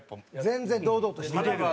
全然堂々としてる。